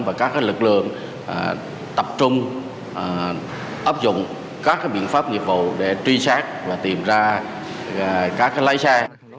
và các lực lượng tập trung áp dụng các biện pháp nghiệp vụ để truy xét và tìm ra các lái xe